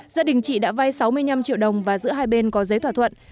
gia đình chị đã vai sáu mươi năm triệu đồng và giữa hai bên có giấy thỏa thuận